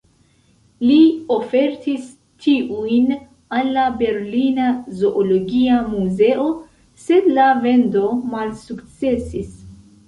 Li ofertis tiujn al la Berlina Zoologia Muzeo, sed la vendo malsukcesis.